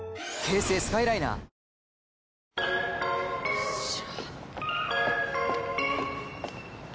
よっしゃ。